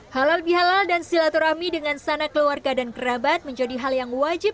halal bihalal dan silaturahmi dengan sana keluarga dan kerabat menjadi hal yang wajib